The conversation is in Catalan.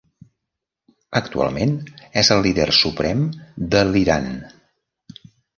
Actualment és el Líder suprem de l'Iran.